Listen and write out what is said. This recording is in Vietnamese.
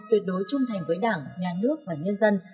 tuyệt đối trung thành với đảng nhà nước và nhân dân